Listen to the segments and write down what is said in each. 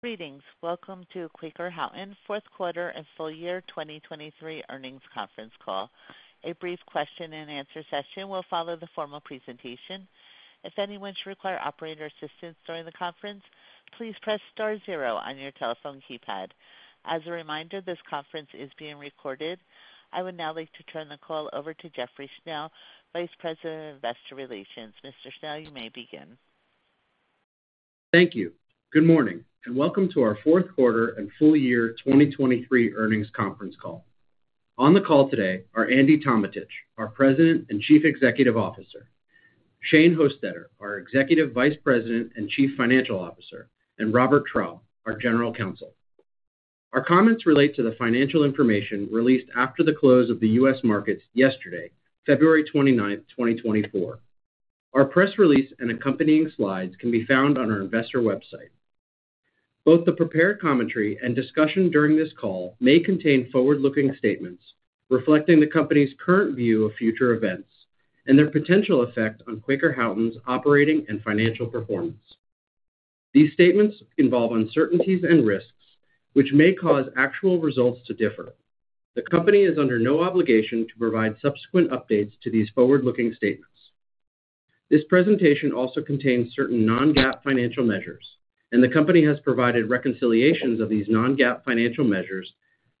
Greetings. Welcome to Quaker Houghton Fourth Quarter and Full Year 2023 Earnings Conference Call. A brief question-and-answer session will follow the formal presentation. If anyone should require operator assistance during the conference, please press star zero on your telephone keypad. As a reminder, this conference is being recorded. I would now like to turn the call over to Jeffrey Schnell, Vice President of Investor Relations. Mr. Schnell, you may begin. Thank you. Good morning and welcome to our Fourth Quarter and Full Year 2023 Earnings Conference Call. On the call today are Andy Tometich, our President and Chief Executive Officer; Shane Hostetter, our Executive Vice President and Chief Financial Officer; and Robert Traub, our General Counsel. Our comments relate to the financial information released after the close of the U.S. markets yesterday, February 29, 2024. Our press release and accompanying slides can be found on our investor website. Both the prepared commentary and discussion during this call may contain forward-looking statements reflecting the company's current view of future events and their potential effect on Quaker Houghton's operating and financial performance. These statements involve uncertainties and risks, which may cause actual results to differ. The company is under no obligation to provide subsequent updates to these forward-looking statements. This presentation also contains certain non-GAAP financial measures, and the company has provided reconciliations of these non-GAAP financial measures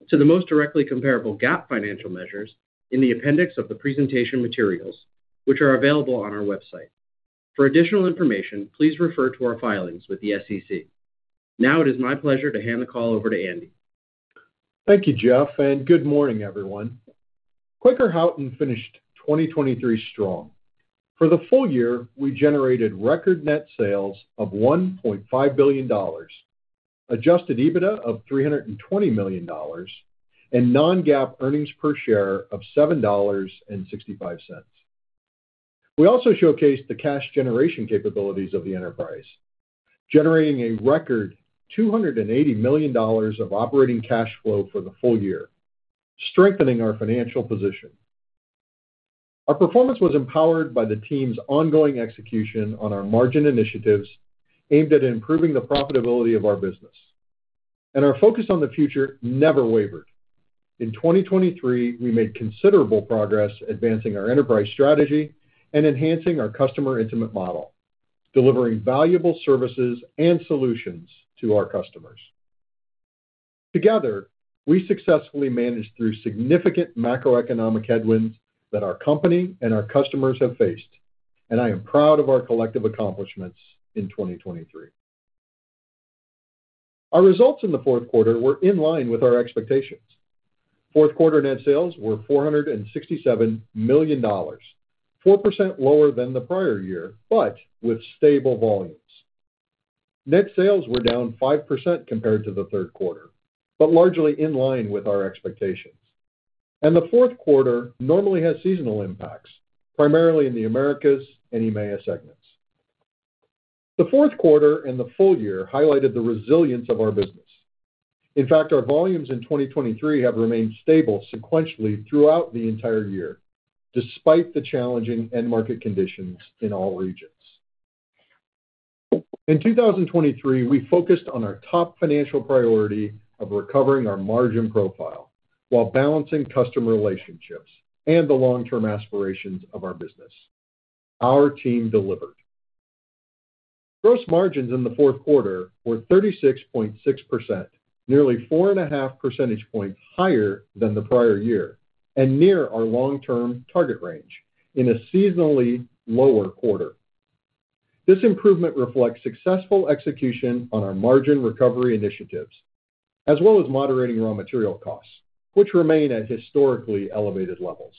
to the most directly comparable GAAP financial measures in the appendix of the presentation materials, which are available on our website. For additional information, please refer to our filings with the SEC. Now it is my pleasure to hand the call over to Andy. Thank you, Jeff, and good morning, everyone. Quaker Houghton finished 2023 strong. For the full year, we generated record net sales of $1.5 billion, Adjusted EBITDA of $320 million, and non-GAAP earnings per share of $7.65. We also showcased the cash generation capabilities of the enterprise, generating a record $280 million of operating cash flow for the full year, strengthening our financial position. Our performance was empowered by the team's ongoing execution on our margin initiatives aimed at improving the profitability of our business, and our focus on the future never wavered. In 2023, we made considerable progress advancing our enterprise strategy and enhancing our customer-intimate model, delivering valuable services and solutions to our customers. Together, we successfully managed through significant macroeconomic headwinds that our company and our customers have faced, and I am proud of our collective accomplishments in 2023. Our results in the fourth quarter were in line with our expectations. Fourth quarter net sales were $467 million, 4% lower than the prior year but with stable volumes. Net sales were down 5% compared to the third quarter but largely in line with our expectations. The fourth quarter normally has seasonal impacts, primarily in the Americas and EMEA segments. The fourth quarter and the full year highlighted the resilience of our business. In fact, our volumes in 2023 have remained stable sequentially throughout the entire year, despite the challenging end-market conditions in all regions. In 2023, we focused on our top financial priority of recovering our margin profile while balancing customer relationships and the long-term aspirations of our business. Our team delivered. Gross margins in the fourth quarter were 36.6%, nearly 4.5 percentage points higher than the prior year and near our long-term target range in a seasonally lower quarter. This improvement reflects successful execution on our margin recovery initiatives as well as moderating raw material costs, which remain at historically elevated levels.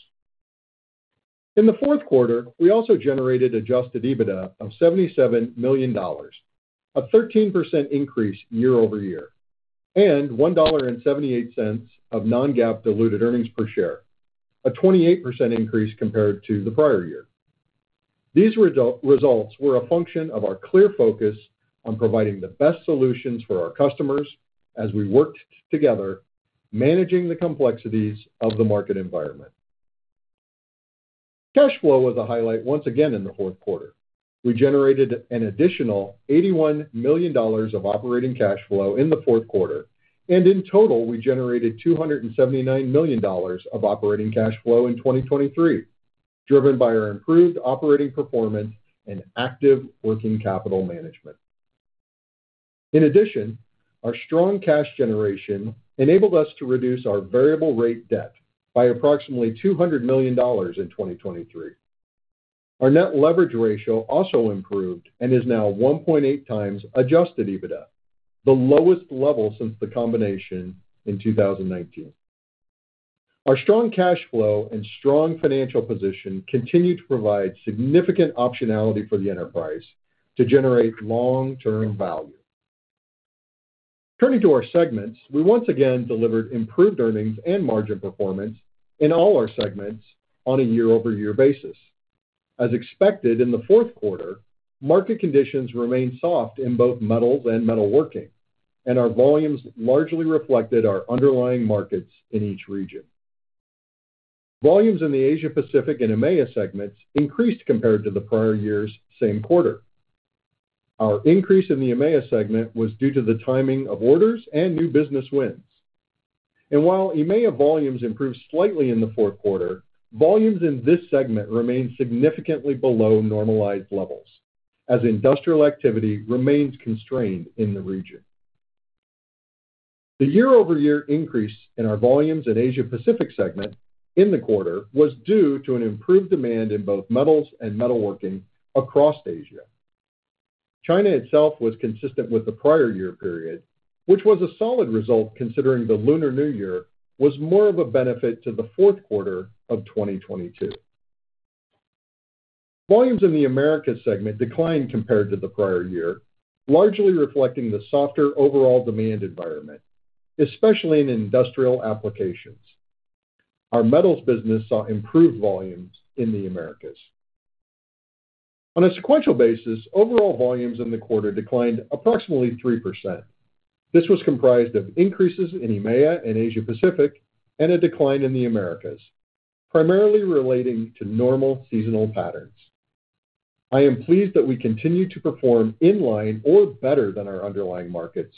In the fourth quarter, we also generated Adjusted EBITDA of $77 million, a 13% increase year-over-year, and $1.78 of non-GAAP diluted earnings per share, a 28% increase compared to the prior year. These results were a function of our clear focus on providing the best solutions for our customers as we worked together managing the complexities of the market environment. Cash flow was a highlight once again in the fourth quarter. We generated an additional $81 million of operating cash flow in the fourth quarter, and in total, we generated $279 million of operating cash flow in 2023, driven by our improved operating performance and active working capital management. In addition, our strong cash generation enabled us to reduce our variable-rate debt by approximately $200 million in 2023. Our net leverage ratio also improved and is now 1.8x Adjusted EBITDA, the lowest level since the combination in 2019. Our strong cash flow and strong financial position continue to provide significant optionality for the enterprise to generate long-term value. Turning to our segments, we once again delivered improved earnings and margin performance in all our segments on a year-over-year basis. As expected in the fourth quarter, market conditions remained soft in both metals and metalworking, and our volumes largely reflected our underlying markets in each region. Volumes in the Asia-Pacific and EMEA segments increased compared to the prior year's same quarter. Our increase in the EMEA segment was due to the timing of orders and new business wins. And while EMEA volumes improved slightly in the fourth quarter, volumes in this segment remain significantly below normalized levels as industrial activity remains constrained in the region. The year-over-year increase in our volumes in Asia-Pacific segment in the quarter was due to an improved demand in both metals and metalworking across Asia. China itself was consistent with the prior year period, which was a solid result considering the Lunar New Year was more of a benefit to the fourth quarter of 2022. Volumes in the Americas segment declined compared to the prior year, largely reflecting the softer overall demand environment, especially in industrial applications. Our metals business saw improved volumes in the Americas. On a sequential basis, overall volumes in the quarter declined approximately 3%. This was comprised of increases in EMEA and Asia-Pacific and a decline in the Americas, primarily relating to normal seasonal patterns. I am pleased that we continue to perform in line or better than our underlying markets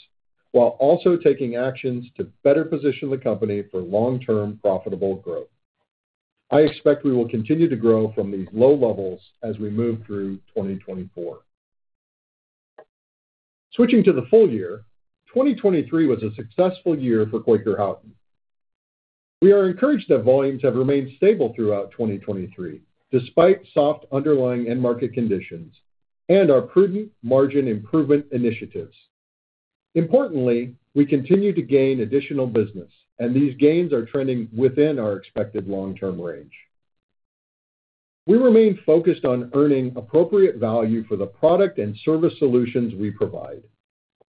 while also taking actions to better position the company for long-term profitable growth. I expect we will continue to grow from these low levels as we move through 2024. Switching to the full year, 2023 was a successful year for Quaker Houghton. We are encouraged that volumes have remained stable throughout 2023 despite soft underlying end-market conditions and our prudent margin improvement initiatives. Importantly, we continue to gain additional business, and these gains are trending within our expected long-term range. We remain focused on earning appropriate value for the product and service solutions we provide.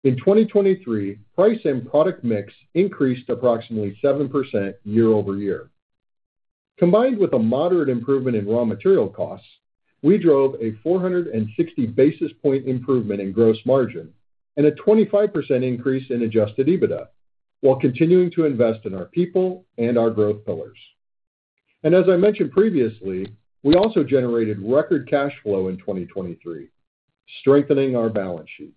In 2023, price and product mix increased approximately 7% year-over-year. Combined with a moderate improvement in raw material costs, we drove a 460 basis point improvement in gross margin and a 25% increase in Adjusted EBITDA while continuing to invest in our people and our growth pillars. And as I mentioned previously, we also generated record cash flow in 2023, strengthening our balance sheet.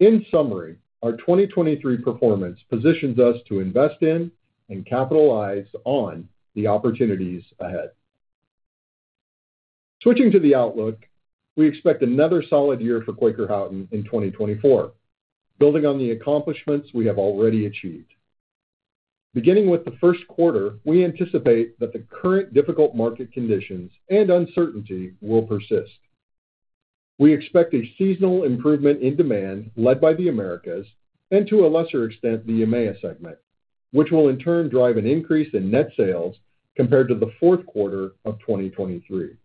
In summary, our 2023 performance positions us to invest in and capitalize on the opportunities ahead. Switching to the outlook, we expect another solid year for Quaker Houghton in 2024, building on the accomplishments we have already achieved. Beginning with the first quarter, we anticipate that the current difficult market conditions and uncertainty will persist. We expect a seasonal improvement in demand led by the Americas and, to a lesser extent, the EMEA segment, which will in turn drive an increase in net sales compared to the fourth quarter of 2023.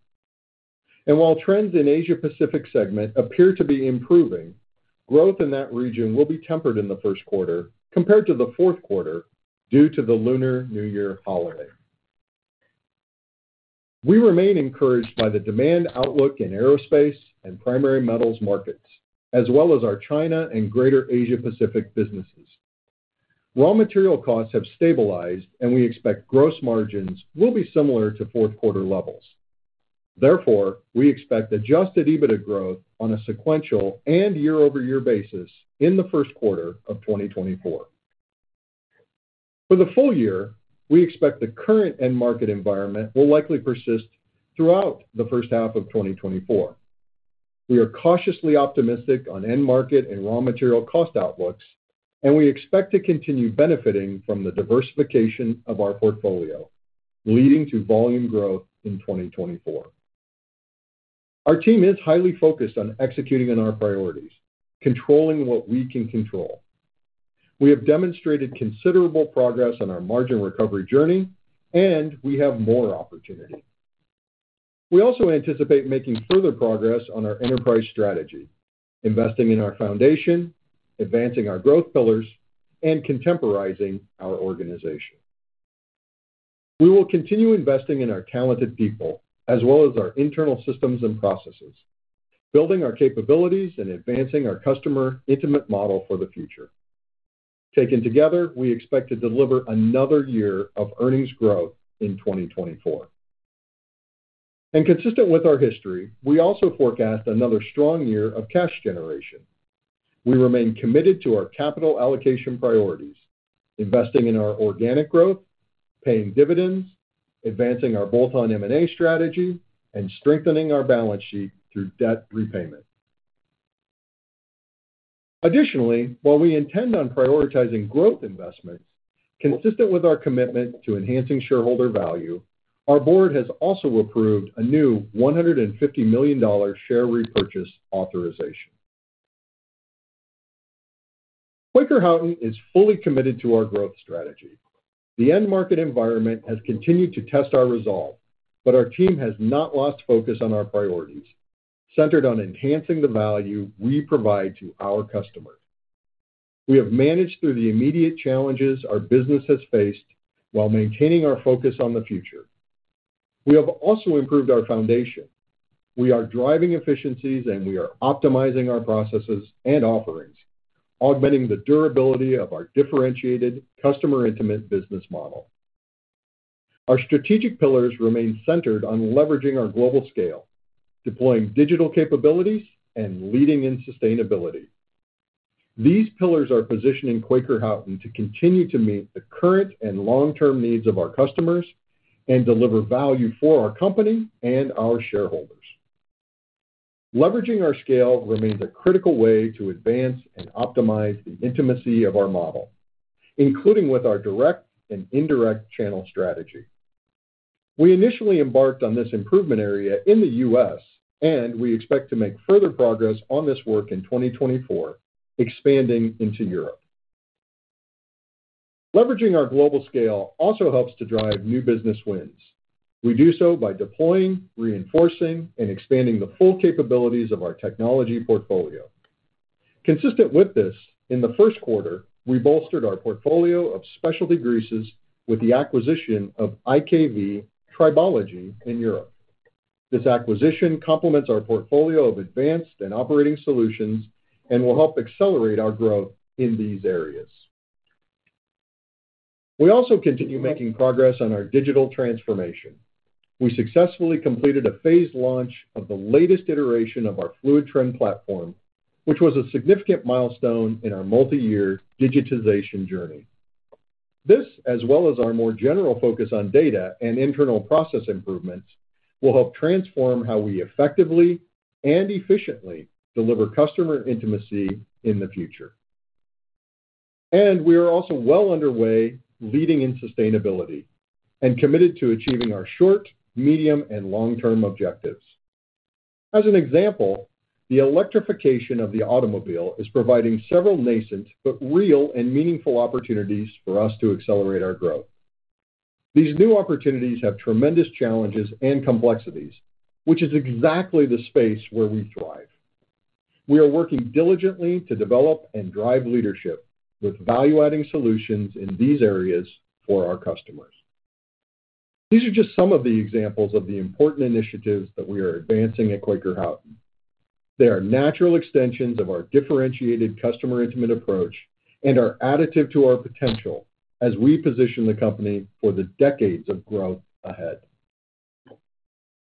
While trends in Asia-Pacific segment appear to be improving, growth in that region will be tempered in the first quarter compared to the fourth quarter due to the Lunar New Year holiday. We remain encouraged by the demand outlook in aerospace and primary metals markets as well as our China and Greater Asia-Pacific businesses. Raw material costs have stabilized, and we expect gross margins will be similar to fourth quarter levels. Therefore, we expect Adjusted EBITDA growth on a sequential and year-over-year basis in the first quarter of 2024. For the full year, we expect the current end-market environment will likely persist throughout the first half of 2024. We are cautiously optimistic on end-market and raw material cost outlooks, and we expect to continue benefiting from the diversification of our portfolio, leading to volume growth in 2024. Our team is highly focused on executing on our priorities, controlling what we can control. We have demonstrated considerable progress on our margin recovery journey, and we have more opportunity. We also anticipate making further progress on our enterprise strategy, investing in our foundation, advancing our growth pillars, and contemporizing our organization. We will continue investing in our talented people as well as our internal systems and processes, building our capabilities and advancing our customer-intimate model for the future. Taken together, we expect to deliver another year of earnings growth in 2024. And consistent with our history, we also forecast another strong year of cash generation. We remain committed to our capital allocation priorities, investing in our organic growth, paying dividends, advancing our bolt-on M&A strategy, and strengthening our balance sheet through debt repayment. Additionally, while we intend on prioritizing growth investments consistent with our commitment to enhancing shareholder value, our board has also approved a new $150 million share repurchase authorization. Quaker Houghton is fully committed to our growth strategy. The end-market environment has continued to test our resolve, but our team has not lost focus on our priorities centered on enhancing the value we provide to our customers. We have managed through the immediate challenges our business has faced while maintaining our focus on the future. We have also improved our foundation. We are driving efficiencies, and we are optimizing our processes and offerings, augmenting the durability of our differentiated, customer-intimate business model. Our strategic pillars remain centered on leveraging our global scale, deploying digital capabilities, and leading in sustainability. These pillars are positioning Quaker Houghton to continue to meet the current and long-term needs of our customers and deliver value for our company and our shareholders. Leveraging our scale remains a critical way to advance and optimize the intimacy of our model, including with our direct and indirect channel strategy. We initially embarked on this improvement area in the U.S., and we expect to make further progress on this work in 2024, expanding into Europe. Leveraging our global scale also helps to drive new business wins. We do so by deploying, reinforcing, and expanding the full capabilities of our technology portfolio. Consistent with this, in the first quarter, we bolstered our portfolio of specialty greases with the acquisition of IKV Tribology in Europe. This acquisition complements our portfolio of advanced and operating solutions and will help accelerate our growth in these areas. We also continue making progress on our digital transformation. We successfully completed a phased launch of the latest iteration of our FLUIDTREND platform, which was a significant milestone in our multi-year digitization journey. This, as well as our more general focus on data and internal process improvements, will help transform how we effectively and efficiently deliver customer intimacy in the future. We are also well underway leading in sustainability and committed to achieving our short, medium, and long-term objectives. As an example, the electrification of the automobile is providing several nascent but real and meaningful opportunities for us to accelerate our growth. These new opportunities have tremendous challenges and complexities, which is exactly the space where we thrive. We are working diligently to develop and drive leadership with value-adding solutions in these areas for our customers. These are just some of the examples of the important initiatives that we are advancing at Quaker Houghton. They are natural extensions of our differentiated customer-intimate approach and are additive to our potential as we position the company for the decades of growth ahead.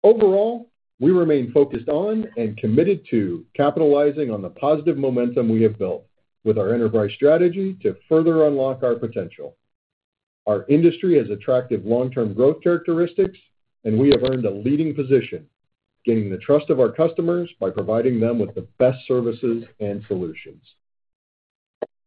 Overall, we remain focused on and committed to capitalizing on the positive momentum we have built with our enterprise strategy to further unlock our potential. Our industry has attractive long-term growth characteristics, and we have earned a leading position, gaining the trust of our customers by providing them with the best services and solutions.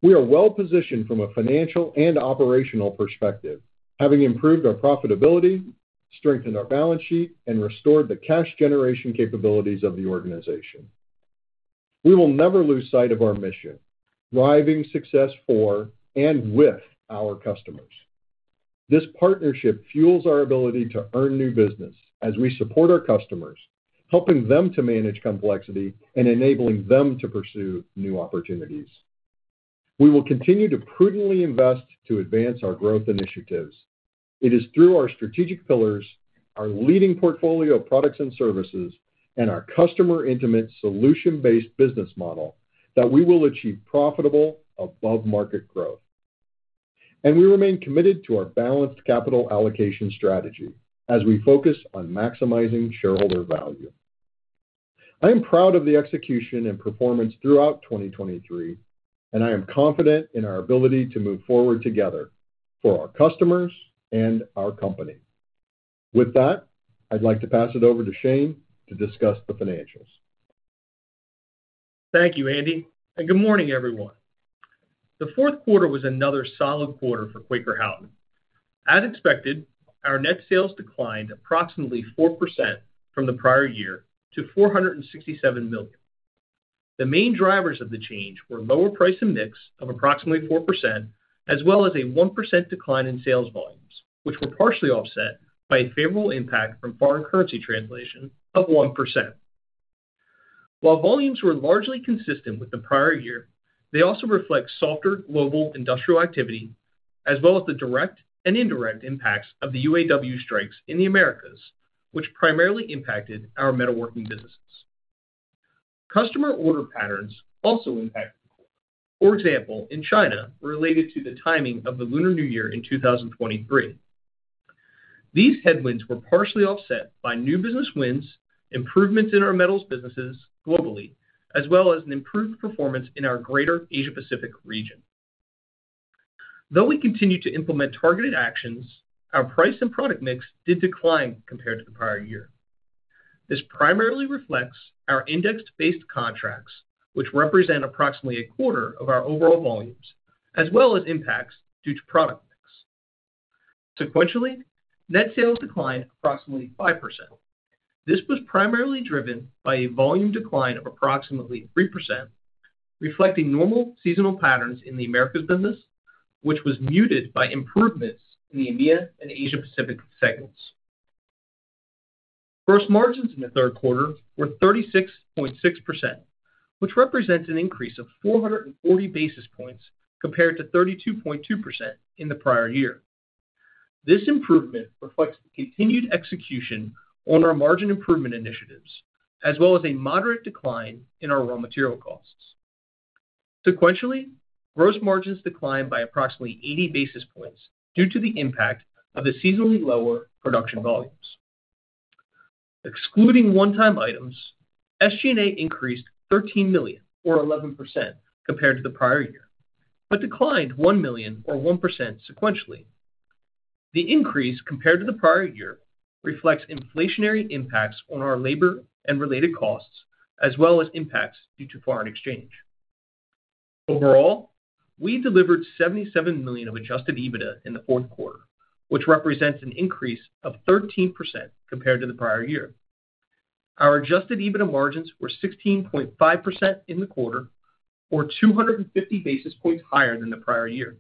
We are well positioned from a financial and operational perspective, having improved our profitability, strengthened our balance sheet, and restored the cash generation capabilities of the organization. We will never lose sight of our mission, driving success for and with our customers. This partnership fuels our ability to earn new business as we support our customers, helping them to manage complexity and enabling them to pursue new opportunities. We will continue to prudently invest to advance our growth initiatives. It is through our strategic pillars, our leading portfolio of products and services, and our customer-intimate solution-based business model that we will achieve profitable above-market growth. And we remain committed to our balanced capital allocation strategy as we focus on maximizing shareholder value. I am proud of the execution and performance throughout 2023, and I am confident in our ability to move forward together for our customers and our company. With that, I'd like to pass it over to Shane to discuss the financials. Thank you, Andy, and good morning, everyone. The fourth quarter was another solid quarter for Quaker Houghton. As expected, our net sales declined approximately 4% from the prior year to $467 million. The main drivers of the change were lower price and mix of approximately 4% as well as a 1% decline in sales volumes, which were partially offset by a favorable impact from foreign currency translation of 1%. While volumes were largely consistent with the prior year, they also reflect softer global industrial activity as well as the direct and indirect impacts of the UAW strikes in the Americas, which primarily impacted our metalworking businesses. Customer order patterns also impacted the quarter, for example, in China related to the timing of the Lunar New Year in 2023. These headwinds were partially offset by new business wins, improvements in our metals businesses globally, as well as an improved performance in our Greater Asia-Pacific region. Though we continue to implement targeted actions, our price and product mix did decline compared to the prior year. This primarily reflects our index-based contracts, which represent approximately a quarter of our overall volumes, as well as impacts due to product mix. Sequentially, net sales declined approximately 5%. This was primarily driven by a volume decline of approximately 3%, reflecting normal seasonal patterns in the Americas business, which was muted by improvements in the EMEA and Asia-Pacific segments. Gross margins in the third quarter were 36.6%, which represents an increase of 440 basis points compared to 32.2% in the prior year. This improvement reflects the continued execution on our margin improvement initiatives as well as a moderate decline in our raw material costs. Sequentially, gross margins declined by approximately 80 basis points due to the impact of the seasonally lower production volumes. Excluding one-time items, SG&A increased $13 million or 11% compared to the prior year but declined $1 million or 1% sequentially. The increase compared to the prior year reflects inflationary impacts on our labor and related costs as well as impacts due to foreign exchange. Overall, we delivered $77 million of Adjusted EBITDA in the fourth quarter, which represents an increase of 13% compared to the prior year. Our Adjusted EBITDA margins were 16.5% in the quarter, or 250 basis points higher than the prior year.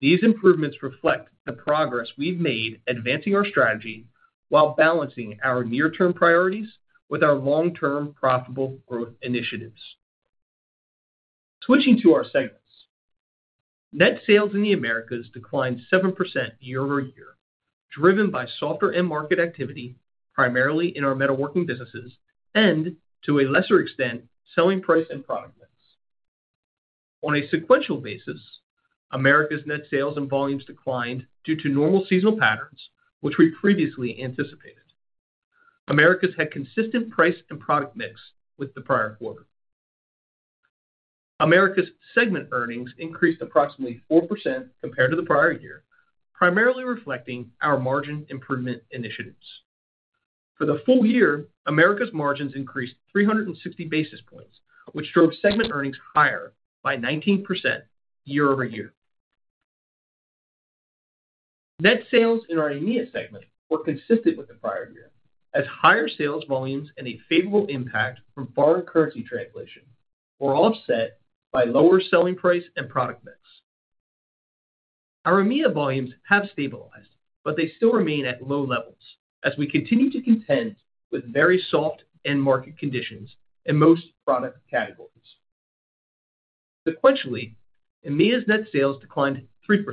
These improvements reflect the progress we've made advancing our strategy while balancing our near-term priorities with our long-term profitable growth initiatives. Switching to our segments, net sales in the Americas declined 7% year-over-year, driven by softer end-market activity, primarily in our metalworking businesses, and, to a lesser extent, selling price and product mix. On a sequential basis, Americas net sales and volumes declined due to normal seasonal patterns, which we previously anticipated. Americas had consistent price and product mix with the prior quarter. Americas segment earnings increased approximately 4% compared to the prior year, primarily reflecting our margin improvement initiatives. For the full year, Americas margins increased 360 basis points, which drove segment earnings higher by 19% year-over-year. Net sales in our EMEA segment were consistent with the prior year, as higher sales volumes and a favorable impact from foreign currency translation were offset by lower selling price and product mix. Our EMEA volumes have stabilized, but they still remain at low levels as we continue to contend with very soft end-market conditions in most product categories. Sequentially, EMEA's net sales declined 3%,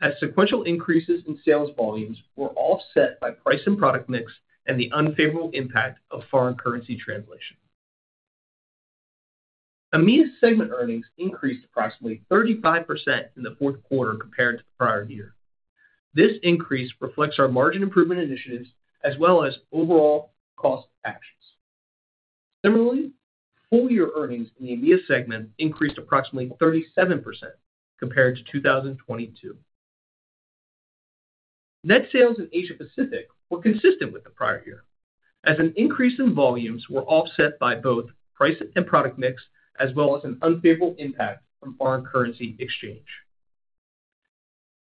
as sequential increases in sales volumes were offset by price and product mix and the unfavorable impact of foreign currency translation. EMEA's segment earnings increased approximately 35% in the fourth quarter compared to the prior year. This increase reflects our margin improvement initiatives as well as overall cost actions. Similarly, full-year earnings in the EMEA segment increased approximately 37% compared to 2022. Net sales in Asia-Pacific were consistent with the prior year, as an increase in volumes were offset by both price and product mix as well as an unfavorable impact from foreign currency exchange.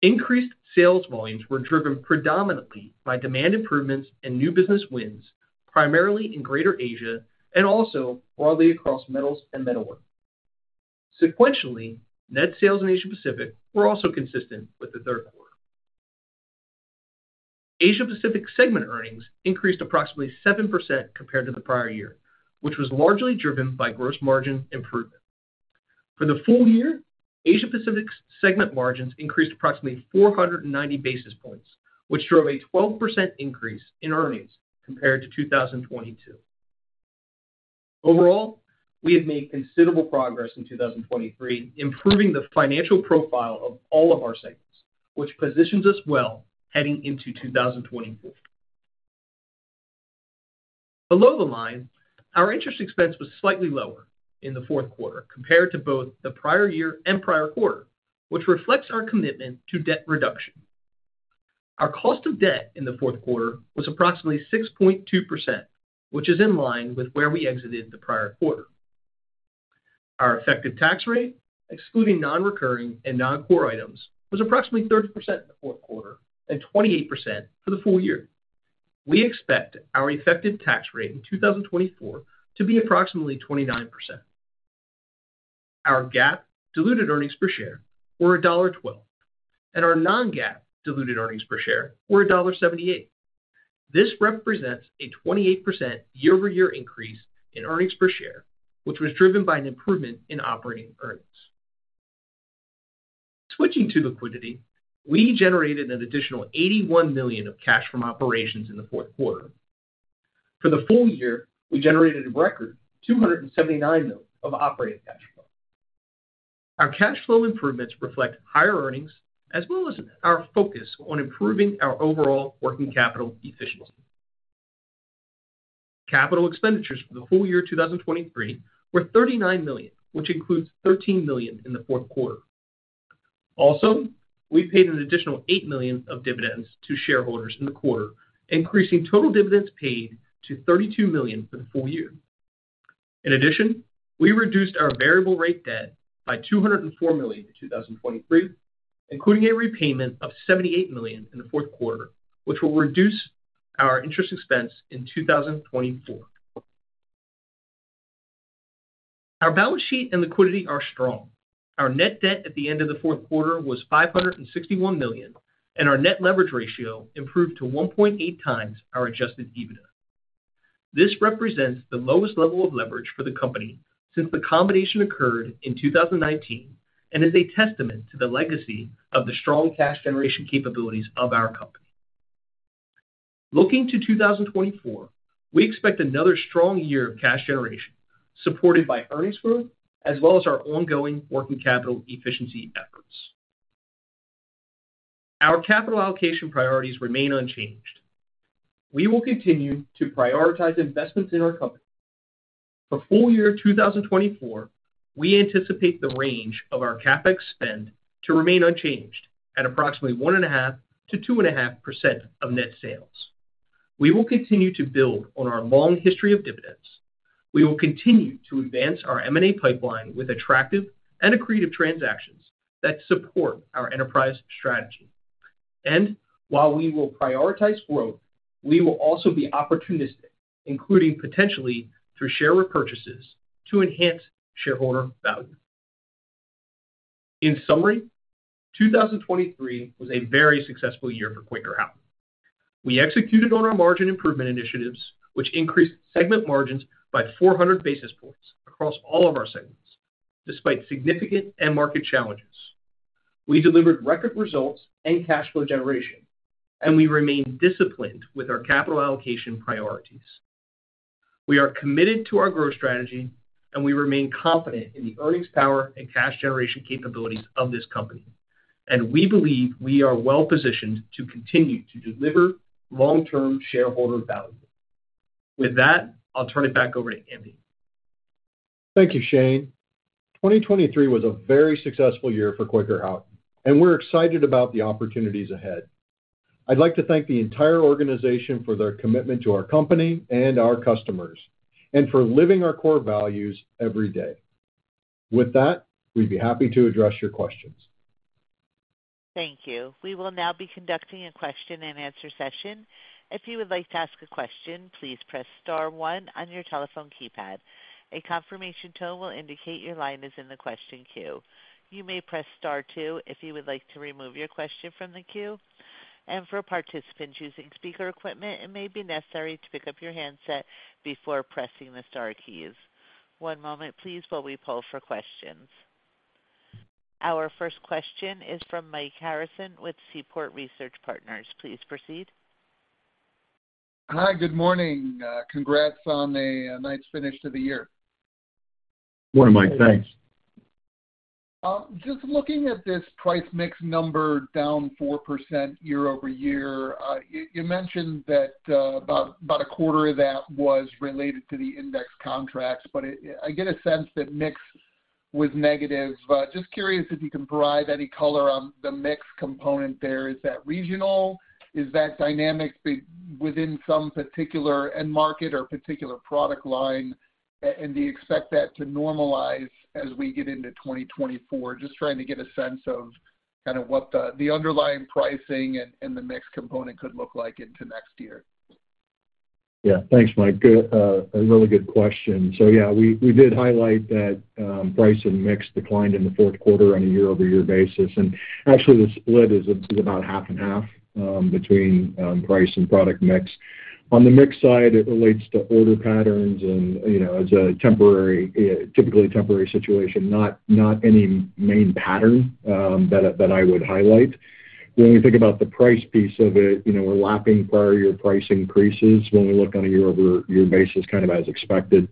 Increased sales volumes were driven predominantly by demand improvements and new business wins, primarily in Greater Asia and also broadly across metals and metalwork. Sequentially, net sales in Asia-Pacific were also consistent with the third quarter. Asia-Pacific segment earnings increased approximately 7% compared to the prior year, which was largely driven by gross margin improvement. For the full year, Asia-Pacific's segment margins increased approximately 490 basis points, which drove a 12% increase in earnings compared to 2022. Overall, we have made considerable progress in 2023, improving the financial profile of all of our segments, which positions us well heading into 2024. Below the line, our interest expense was slightly lower in the fourth quarter compared to both the prior year and prior quarter, which reflects our commitment to debt reduction. Our cost of debt in the fourth quarter was approximately 6.2%, which is in line with where we exited the prior quarter. Our effective tax rate, excluding non-recurring and non-core items, was approximately 30% in the fourth quarter and 28% for the full year. We expect our effective tax rate in 2024 to be approximately 29%. Our GAAP diluted earnings per share were $1.12, and our non-GAAP diluted earnings per share were $1.78. This represents a 28% year-over-year increase in earnings per share, which was driven by an improvement in operating earnings. Switching to liquidity, we generated an additional $81 million of cash from operations in the fourth quarter. For the full year, we generated a record $279 million of operating cash flow. Our cash flow improvements reflect higher earnings as well as our focus on improving our overall working capital efficiency. Capital expenditures for the full year 2023 were $39 million, which includes $13 million in the fourth quarter. Also, we paid an additional $8 million of dividends to shareholders in the quarter, increasing total dividends paid to $32 million for the full year. In addition, we reduced our variable rate debt by $204 million in 2023, including a repayment of $78 million in the fourth quarter, which will reduce our interest expense in 2024. Our balance sheet and liquidity are strong. Our net debt at the end of the fourth quarter was $561 million, and our net leverage ratio improved to 1.8x our Adjusted EBITDA. This represents the lowest level of leverage for the company since the combination occurred in 2019 and is a testament to the legacy of the strong cash generation capabilities of our company. Looking to 2024, we expect another strong year of cash generation, supported by earnings growth as well as our ongoing working capital efficiency efforts. Our capital allocation priorities remain unchanged. We will continue to prioritize investments in our company. For full year 2024, we anticipate the range of our CapEx spend to remain unchanged at approximately 1.5%-2.5% of net sales. We will continue to build on our long history of dividends. We will continue to advance our M&A pipeline with attractive and accretive transactions that support our enterprise strategy. And while we will prioritize growth, we will also be opportunistic, including potentially through share repurchases, to enhance shareholder value. In summary, 2023 was a very successful year for Quaker Houghton. We executed on our margin improvement initiatives, which increased segment margins by 400 basis points across all of our segments, despite significant end-market challenges. We delivered record results and cash flow generation, and we remain disciplined with our capital allocation priorities. We are committed to our growth strategy, and we remain confident in the earnings power and cash generation capabilities of this company, and we believe we are well positioned to continue to deliver long-term shareholder value. With that, I'll turn it back over to Andy. Thank you, Shane. 2023 was a very successful year for Quaker Houghton, and we're excited about the opportunities ahead. I'd like to thank the entire organization for their commitment to our company and our customers, and for living our core values every day. With that, we'd be happy to address your questions. Thank you. We will now be conducting a question-and-answer session. If you would like to ask a question, please press star one on your telephone keypad. A confirmation tone will indicate your line is in the question queue. You may press star two if you would like to remove your question from the queue. For participants using speaker equipment, it may be necessary to pick up your handset before pressing the star keys. One moment, please, while we pull for questions. Our first question is from Mike Harrison with Seaport Research Partners. Please proceed. Hi, good morning. Congrats on a nice finish to the year. Morning, Mike. Thanks. Just looking at this price mix number down 4% year-over-year, you mentioned that about a quarter of that was related to the index contracts, but I get a sense that mix was negative. Just curious if you can provide any color on the mix component there. Is that regional? Is that dynamic within some particular end market or particular product line, and do you expect that to normalize as we get into 2024? Just trying to get a sense of kind of what the underlying pricing and the mix component could look like into next year. Yeah, thanks, Mike. A really good question. So yeah, we did highlight that price and mix declined in the fourth quarter on a year-over-year basis. And actually, the split is about 50/50 between price and product mix. On the mix side, it relates to order patterns and as a typically temporary situation, not any main pattern that I would highlight. When we think about the price piece of it, we're lapping prior-year price increases when we look on a year-over-year basis, kind of as expected.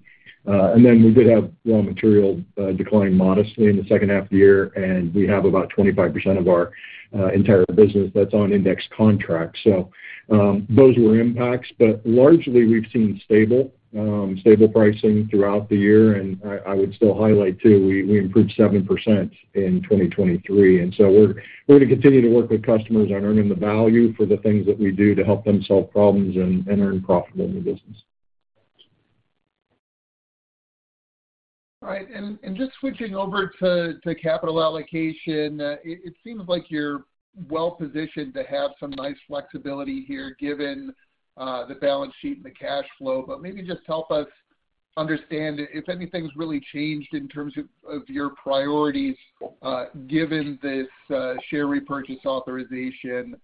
And then we did have raw material decline modestly in the second half of the year, and we have about 25% of our entire business that's on index contracts. So those were impacts, but largely, we've seen stable pricing throughout the year. And I would still highlight, too, we improved 7% in 2023. And so we're going to continue to work with customers on earning the value for the things that we do to help them solve problems and earn profitable new business. All right. Just switching over to capital allocation, it seems like you're well positioned to have some nice flexibility here given the balance sheet and the cash flow. But maybe just help us understand if anything's really changed in terms of your priorities given this share repurchase authorization,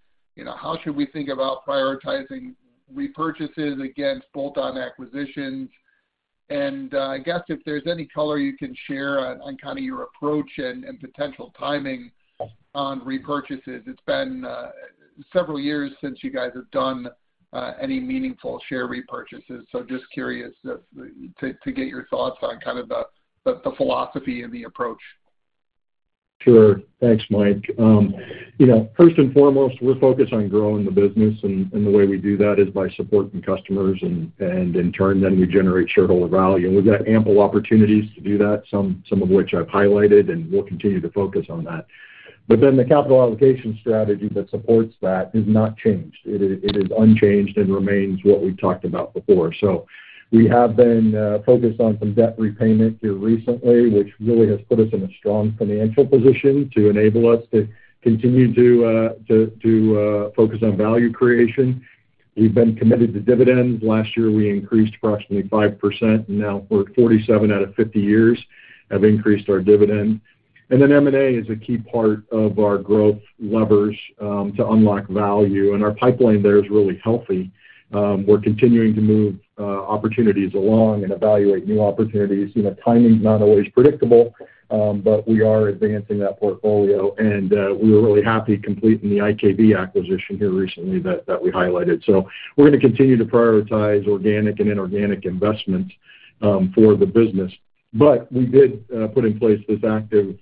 how should we think about prioritizing repurchases against bolt-on acquisitions? I guess if there's any color you can share on kind of your approach and potential timing on repurchases. It's been several years since you guys have done any meaningful share repurchases. Just curious to get your thoughts on kind of the philosophy and the approach. Sure. Thanks, Mike. First and foremost, we're focused on growing the business, and the way we do that is by supporting customers, and in turn, then we generate shareholder value. And we've got ample opportunities to do that, some of which I've highlighted, and we'll continue to focus on that. But then the capital allocation strategy that supports that is not changed. It is unchanged and remains what we've talked about before. So we have been focused on some debt repayment here recently, which really has put us in a strong financial position to enable us to continue to focus on value creation. We've been committed to dividends. Last year, we increased approximately 5%, and now we're at 47 out of 50 years have increased our dividend. And then M&A is a key part of our growth levers to unlock value, and our pipeline there is really healthy. We're continuing to move opportunities along and evaluate new opportunities. Timing's not always predictable, but we are advancing that portfolio. We were really happy completing the IKV acquisition here recently that we highlighted. We're going to continue to prioritize organic and inorganic investments for the business. We did put in place this active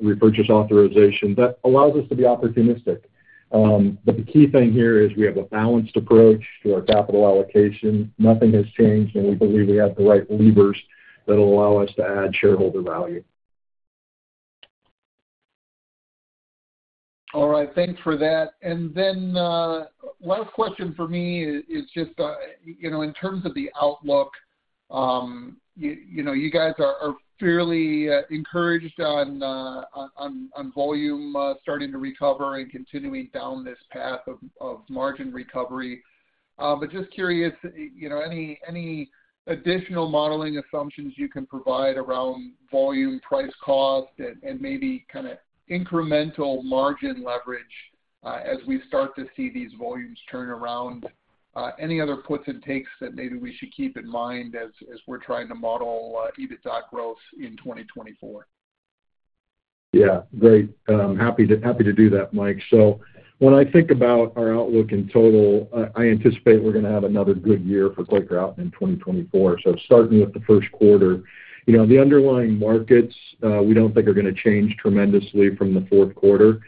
repurchase authorization that allows us to be opportunistic. The key thing here is we have a balanced approach to our capital allocation. Nothing has changed, and we believe we have the right levers that will allow us to add shareholder value. All right. Thanks for that. And then last question for me is just in terms of the outlook, you guys are fairly encouraged on volume starting to recover and continuing down this path of margin recovery. But just curious, any additional modeling assumptions you can provide around volume, price cost, and maybe kind of incremental margin leverage as we start to see these volumes turn around? Any other puts and takes that maybe we should keep in mind as we're trying to model EBITDA growth in 2024? Yeah, great. Happy to do that, Mike. So when I think about our outlook in total, I anticipate we're going to have another good year for Quaker Houghton in 2024. So starting with the first quarter, the underlying markets, we don't think are going to change tremendously from the fourth quarter.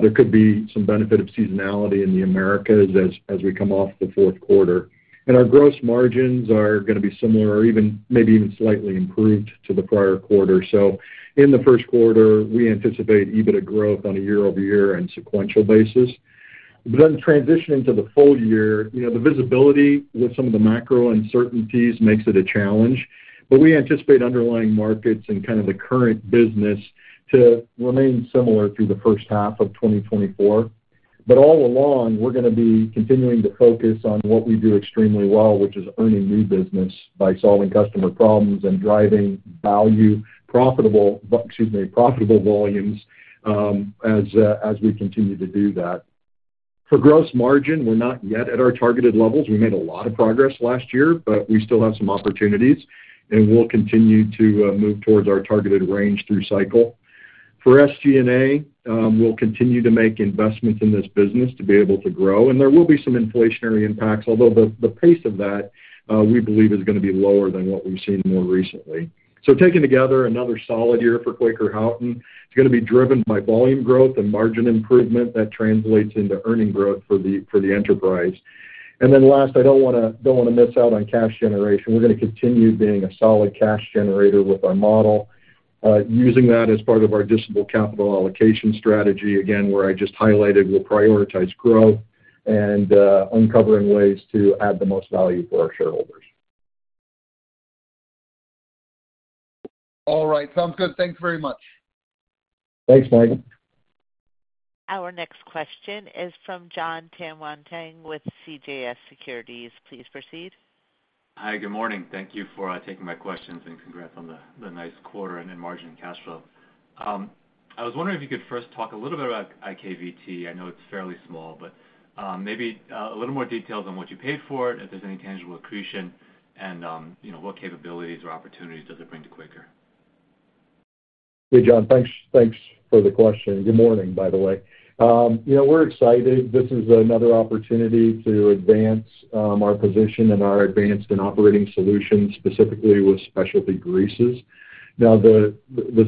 There could be some benefit of seasonality in the Americas as we come off the fourth quarter. And our gross margins are going to be similar or maybe even slightly improved to the prior quarter. So in the first quarter, we anticipate EBITDA growth on a year-over-year and sequential basis. But then transitioning to the full year, the visibility with some of the macro uncertainties makes it a challenge. But we anticipate underlying markets and kind of the current business to remain similar through the first half of 2024. But all along, we're going to be continuing to focus on what we do extremely well, which is earning new business by solving customer problems and driving profitable volumes as we continue to do that. For gross margin, we're not yet at our targeted levels. We made a lot of progress last year, but we still have some opportunities, and we'll continue to move towards our targeted range through cycle. For SG&A, we'll continue to make investments in this business to be able to grow. And there will be some inflationary impacts, although the pace of that, we believe, is going to be lower than what we've seen more recently. So taken together, another solid year for Quaker Houghton. It's going to be driven by volume growth and margin improvement that translates into earnings growth for the enterprise. And then last, I don't want to miss out on cash generation. We're going to continue being a solid cash generator with our model, using that as part of our disciplined capital allocation strategy, again, where I just highlighted we'll prioritize growth and uncovering ways to add the most value for our shareholders. All right. Sounds good. Thanks very much. Thanks, Mike. Our next question is from Jon Tanwanteng with CJS Securities. Please proceed. Hi, good morning. Thank you for taking my questions, and congrats on the nice quarter and margin and cash flow. I was wondering if you could first talk a little bit about IKV. I know it's fairly small, but maybe a little more details on what you paid for it, if there's any tangible accretion, and what capabilities or opportunities does it bring to Quaker? Hey, Jon. Thanks for the question. Good morning, by the way. We're excited. This is another opportunity to advance our position and our advanced and operating solutions, specifically with specialty greases. Now, the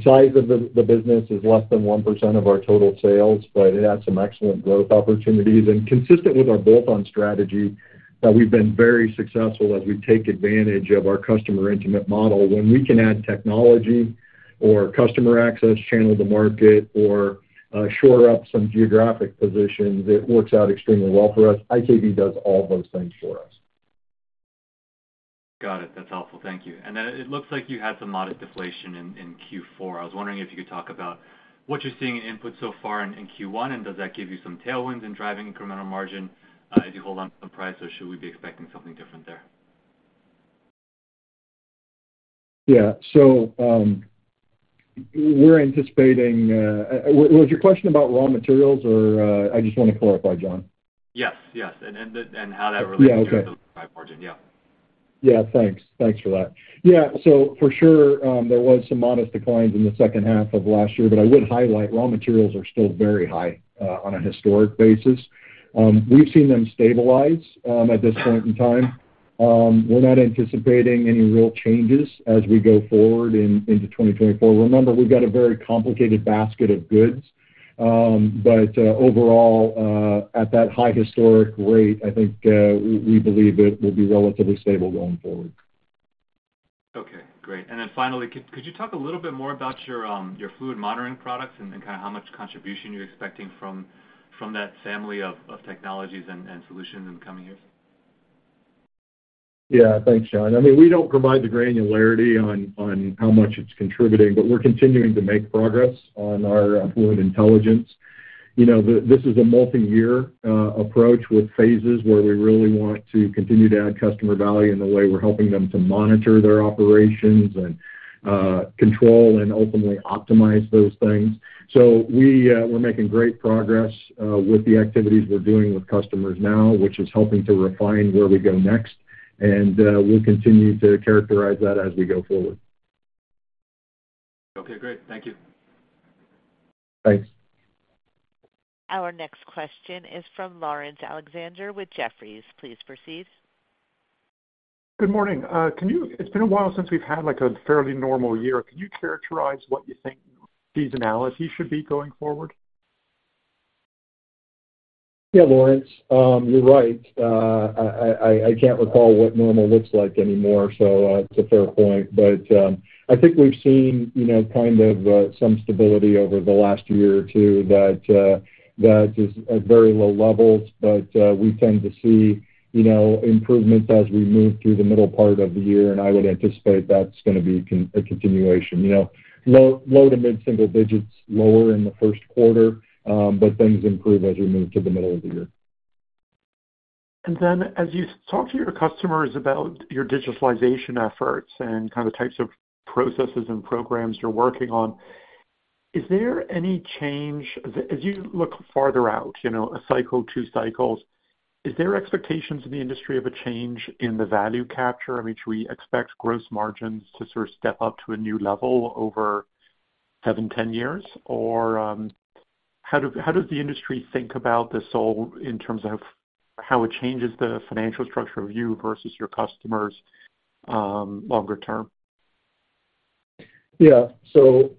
size of the business is less than 1% of our total sales, but it has some excellent growth opportunities. And consistent with our bolt-on strategy, we've been very successful as we take advantage of our customer-intimate model. When we can add technology or customer access channel to market or shore up some geographic positions, it works out extremely well for us. IKV does all those things for us. Got it. That's helpful. Thank you. And then it looks like you had some modest deflation in Q4. I was wondering if you could talk about what you're seeing in inputs so far in Q1, and does that give you some tailwinds in driving incremental margin? If you hold onto some price, or should we be expecting something different there? Yeah. So, we're anticipating. Was your question about raw materials, or? I just want to clarify, Jon. Yes, yes. And how that relates to the drive margin. Yeah. Yeah, thanks. Thanks for that. Yeah, so for sure, there was some modest declines in the second half of last year, but I would highlight raw materials are still very high on a historic basis. We've seen them stabilize at this point in time. We're not anticipating any real changes as we go forward into 2024. Remember, we've got a very complicated basket of goods. But overall, at that high historic rate, I think we believe it will be relatively stable going forward. Okay, great. And then finally, could you talk a little bit more about your fluid monitoring products and kind of how much contribution you're expecting from that family of technologies and solutions in the coming years? Yeah, thanks, Jon. I mean, we don't provide the granularity on how much it's contributing, but we're continuing to make progress on our Fluid Intelligence. This is a multi-year approach with phases where we really want to continue to add customer value in the way we're helping them to monitor their operations and control and ultimately optimize those things. We're making great progress with the activities we're doing with customers now, which is helping to refine where we go next. We'll continue to characterize that as we go forward. Okay, great. Thank you. Thanks. Our next question is from Laurence Alexander with Jefferies. Please proceed. Good morning. It's been a while since we've had a fairly normal year. Can you characterize what you think seasonality should be going forward? Yeah, Laurence, you're right. I can't recall what normal looks like anymore, so it's a fair point. But I think we've seen kind of some stability over the last year or two that is at very low levels, but we tend to see improvements as we move through the middle part of the year. And I would anticipate that's going to be a continuation. Low to mid-single digits, lower in the first quarter, but things improve as we move to the middle of the year. As you talk to your customers about your digitalization efforts and kind of types of processes and programs you're working on, is there any change? As you look farther out, a cycle, two cycles, is there expectations in the industry of a change in the value capture? I mean, should we expect gross margins to sort of step up to a new level over seven, 10 years? Or how does the industry think about this all in terms of how it changes the financial structure of you versus your customers longer term? Yeah. So,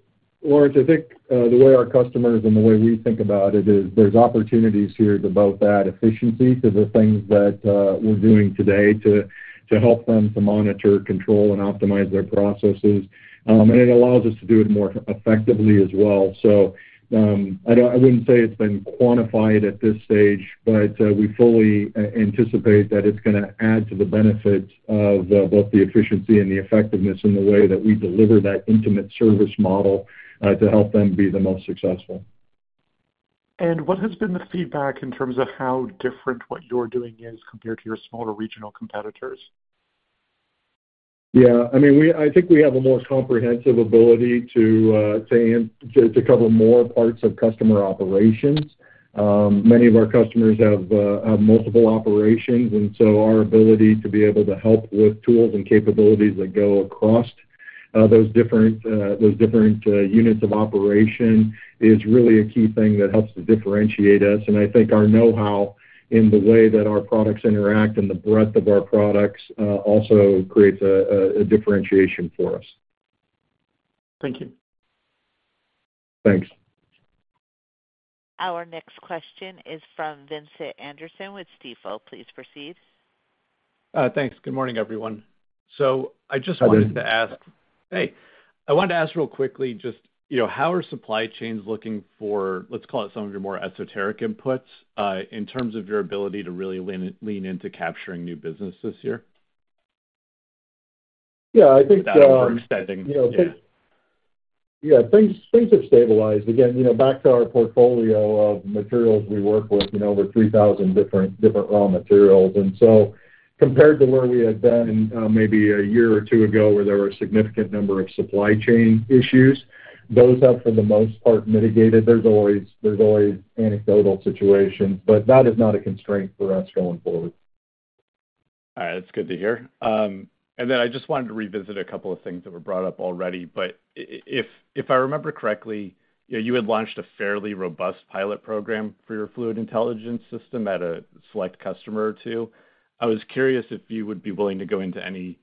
Laurence, I think the way our customers and the way we think about it is there's opportunities here to both add efficiency to the things that we're doing today to help them to monitor, control, and optimize their processes. And it allows us to do it more effectively as well. So I wouldn't say it's been quantified at this stage, but we fully anticipate that it's going to add to the benefits of both the efficiency and the effectiveness in the way that we deliver that intimate service model to help them be the most successful. What has been the feedback in terms of how different what you're doing is compared to your smaller regional competitors? Yeah. I mean, I think we have a more comprehensive ability to cover more parts of customer operations. Many of our customers have multiple operations, and so our ability to be able to help with tools and capabilities that go across those different units of operation is really a key thing that helps to differentiate us. And I think our know-how in the way that our products interact and the breadth of our products also creates a differentiation for us. Thank you. Thanks. Our next question is from Vincent Anderson with Stifel. Please proceed. Thanks. Good morning, everyone. So I just wanted to ask real quickly, just how are supply chains looking for, let's call it, some of your more esoteric inputs in terms of your ability to really lean into capturing new business this year? Yeah, I think. Without over-extending. Yeah, things have stabilized. Again, back to our portfolio of materials we work with, over 3,000 different raw materials. And so compared to where we had been maybe a year or two ago where there were a significant number of supply chain issues, those have, for the most part, mitigated. There's always anecdotal situations, but that is not a constraint for us going forward. All right. That's good to hear. Then I just wanted to revisit a couple of things that were brought up already. If I remember correctly, you had launched a fairly robust pilot program for your fluid intelligence system at a select customer or two. I was curious if you would be willing to go into any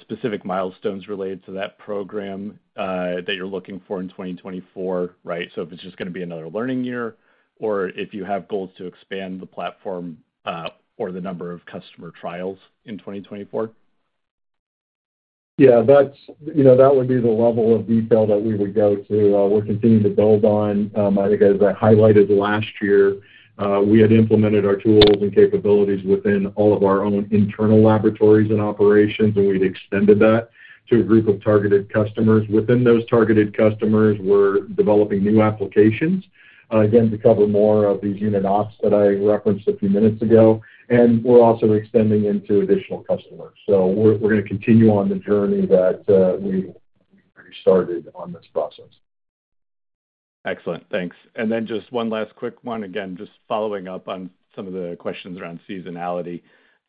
specific milestones related to that program that you're looking for in 2024, right? If it's just going to be another learning year or if you have goals to expand the platform or the number of customer trials in 2024. Yeah, that would be the level of detail that we would go to. We're continuing to build on. I think as I highlighted last year, we had implemented our tools and capabilities within all of our own internal laboratories and operations, and we'd extended that to a group of targeted customers. Within those targeted customers, we're developing new applications, again, to cover more of these unit ops that I referenced a few minutes ago. And we're also extending into additional customers. So we're going to continue on the journey that we started on this process. Excellent. Thanks. And then just one last quick one, again, just following up on some of the questions around seasonality.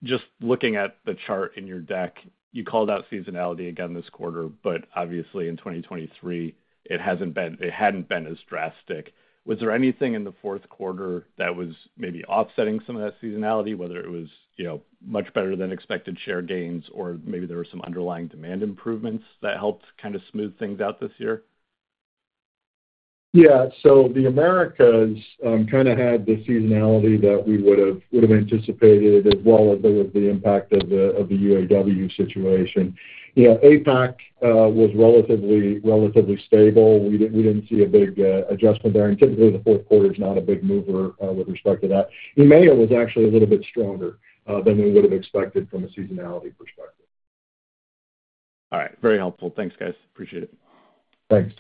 Just looking at the chart in your deck, you called out seasonality again this quarter, but obviously, in 2023, it hadn't been as drastic. Was there anything in the fourth quarter that was maybe offsetting some of that seasonality, whether it was much better than expected share gains or maybe there were some underlying demand improvements that helped kind of smooth things out this year? Yeah. So the Americas kind of had the seasonality that we would have anticipated as well as there was the impact of the UAW situation. APAC was relatively stable. We didn't see a big adjustment there. And typically, the fourth quarter is not a big mover with respect to that. EMEA was actually a little bit stronger than we would have expected from a seasonality perspective. All right. Very helpful. Thanks, guys. Appreciate it. Thanks.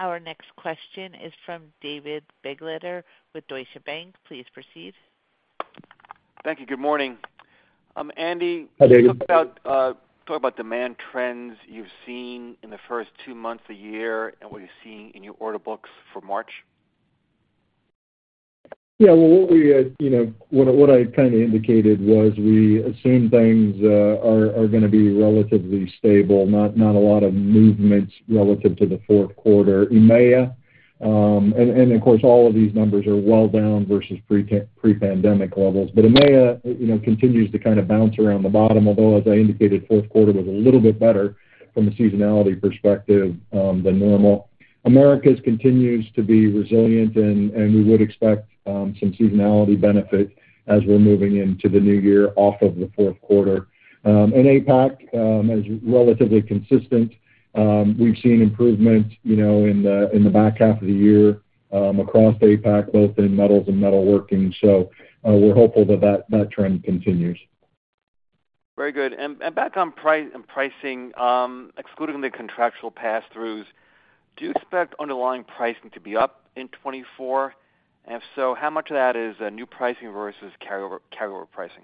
Our next question is from David Begleiter with Deutsche Bank. Please proceed. Thank you. Good morning. Andy. Hi, David. Talk about demand trends you've seen in the first two months of the year and what you're seeing in your order books for March? Yeah. Well, what I kind of indicated was we assume things are going to be relatively stable, not a lot of movements relative to the fourth quarter. EMEA and of course, all of these numbers are well down versus pre-pandemic levels. But EMEA continues to kind of bounce around the bottom, although, as I indicated, fourth quarter was a little bit better from a seasonality perspective than normal. Americas continues to be resilient, and we would expect some seasonality benefit as we're moving into the new year off of the fourth quarter. And APAC is relatively consistent. We've seen improvements in the back half of the year across APAC, both in metals and metalworking. So we're hopeful that that trend continues. Very good. Back on pricing, excluding the contractual pass-throughs, do you expect underlying pricing to be up in 2024? If so, how much of that is new pricing versus carryover pricing?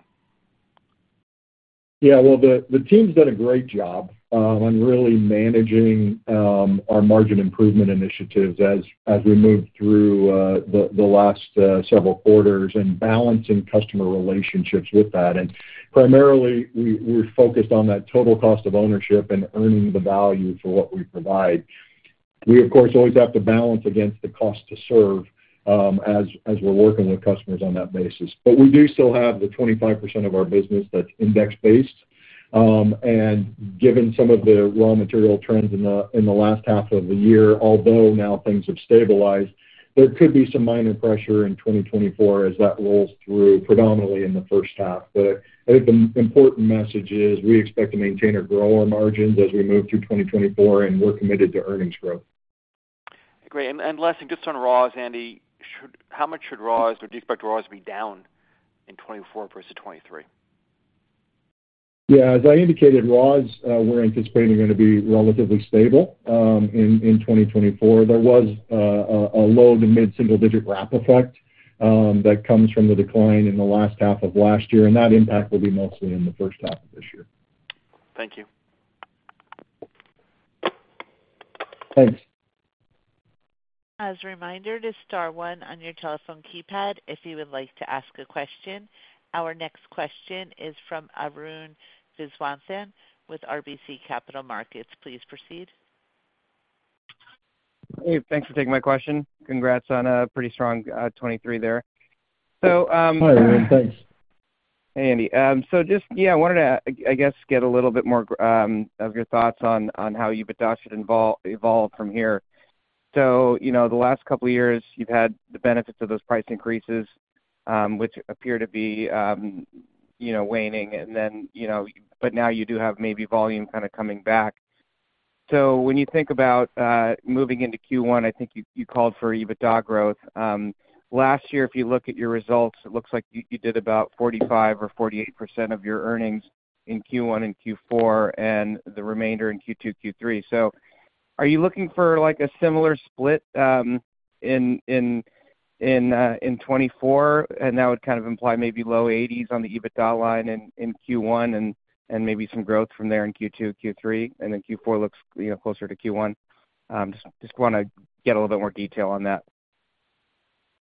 Yeah. Well, the team's done a great job on really managing our margin improvement initiatives as we move through the last several quarters and balancing customer relationships with that. And primarily, we're focused on that total cost of ownership and earning the value for what we provide. We, of course, always have to balance against the cost to serve as we're working with customers on that basis. But we do still have the 25% of our business that's index-based. And given some of the raw material trends in the last half of the year, although now things have stabilized, there could be some minor pressure in 2024 as that rolls through predominantly in the first half. But I think the important message is we expect to maintain or grow our margins as we move through 2024, and we're committed to earnings growth. Great. And lastly, just on raws, Andy, how much should raws or do you expect raws to be down in 2024 versus 2023? Yeah. As I indicated, raws, we're anticipating going to be relatively stable in 2024. There was a low- to mid-single-digit wrap effect that comes from the decline in the last half of last year, and that impact will be mostly in the first half of this year. Thank you. Thanks. As a reminder, to star one on your telephone keypad if you would like to ask a question. Our next question is from Arun Viswanathan with RBC Capital Markets. Please proceed. Hey, thanks for taking my question. Congrats on a pretty strong 2023 there. So. Hi, Arun. Thanks. Hey, Andy. So just, yeah, I wanted to, I guess, get a little bit more of your thoughts on how you've adopted and evolved from here. So the last couple of years, you've had the benefits of those price increases, which appear to be waning, but now you do have maybe volume kind of coming back. So when you think about moving into Q1, I think you called for EBITDA growth. Last year, if you look at your results, it looks like you did about 45% or 48% of your earnings in Q1 and Q4 and the remainder in Q2, Q3. So are you looking for a similar split in 2024? And that would kind of imply maybe low 80s on the EBITDA line in Q1 and maybe some growth from there in Q2, Q3, and then Q4 looks closer to Q1. Just want to get a little bit more detail on that.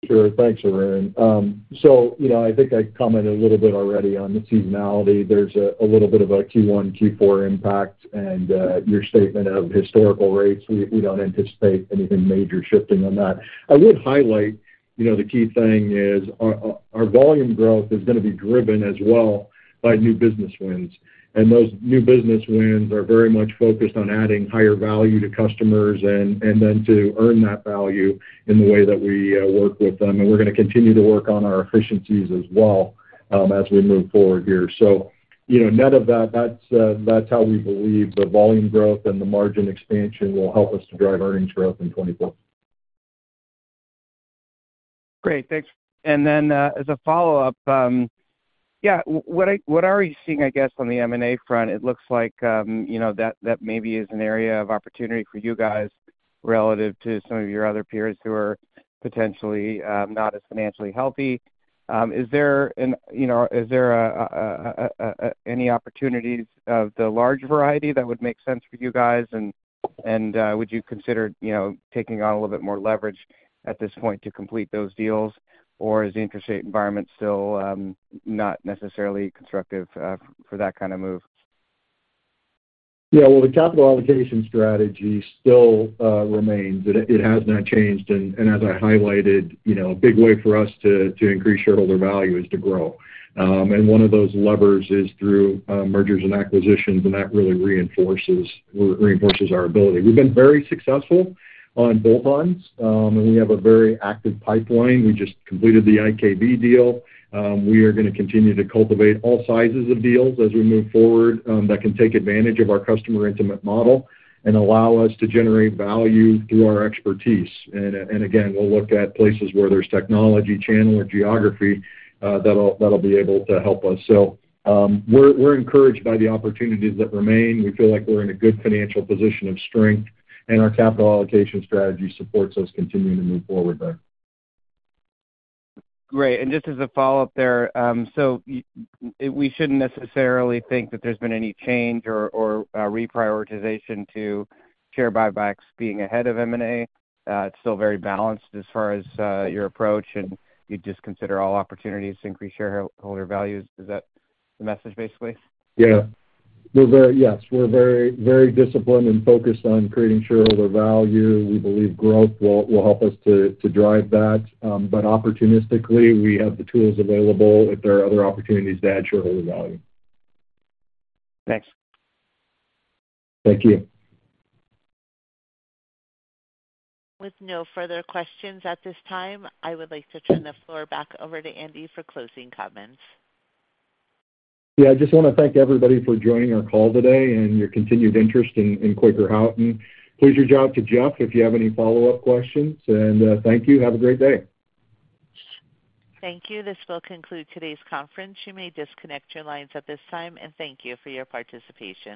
Sure. Thanks, Arun. So I think I commented a little bit already on the seasonality. There's a little bit of a Q1, Q4 impact, and your statement of historical rates. We don't anticipate anything major shifting on that. I would highlight the key thing is our volume growth is going to be driven as well by new business wins. And those new business wins are very much focused on adding higher value to customers and then to earn that value in the way that we work with them. And we're going to continue to work on our efficiencies as well as we move forward here. So none of that, that's how we believe the volume growth and the margin expansion will help us to drive earnings growth in 2024. Great. Thanks. And then as a follow-up, yeah, what are you seeing, I guess, on the M&A front? It looks like that maybe is an area of opportunity for you guys relative to some of your other peers who are potentially not as financially healthy. Is there any opportunities of the large variety that would make sense for you guys? And would you consider taking on a little bit more leverage at this point to complete those deals? Or is the interest rate environment still not necessarily constructive for that kind of move? Yeah. Well, the capital allocation strategy still remains. It has not changed. As I highlighted, a big way for us to increase shareholder value is to grow. One of those levers is through mergers and acquisitions, and that really reinforces our ability. We've been very successful on both ends, and we have a very active pipeline. We just completed the IKV deal. We are going to continue to cultivate all sizes of deals as we move forward that can take advantage of our customer intimate model and allow us to generate value through our expertise. Again, we'll look at places where there's technology, channel, or geography that'll be able to help us. We're encouraged by the opportunities that remain. We feel like we're in a good financial position of strength, and our capital allocation strategy supports us continuing to move forward there. Great. Just as a follow-up there, so we shouldn't necessarily think that there's been any change or reprioritization to share buybacks being ahead of M&A. It's still very balanced as far as your approach, and you'd just consider all opportunities to increase shareholder values. Is that the message, basically? Yeah. Yes. We're very disciplined and focused on creating shareholder value. We believe growth will help us to drive that. But opportunistically, we have the tools available if there are other opportunities to add shareholder value. Thanks. Thank you. With no further questions at this time, I would like to turn the floor back over to Andy for closing comments. Yeah. I just want to thank everybody for joining our call today and your continued interest in Quaker Houghton. Please reach out to Jeff if you have any follow-up questions. And thank you. Have a great day. Thank you. This will conclude today's conference. You may disconnect your lines at this time. Thank you for your participation.